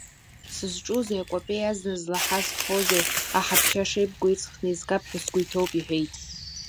Сызҿузеи акәапеи азна злаҳазхозеи, аҳаԥшьа шеибго иҵхны изгап ҳәа сгәы иҭоуп, — иҳәеит.